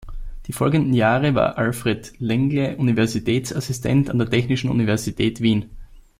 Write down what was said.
Die folgenden Jahre war Alfred Längle Universitätsassistent an der Technischen Universität Wien.